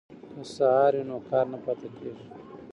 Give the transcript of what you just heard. که سهار وي نو کار نه پاتې کیږي.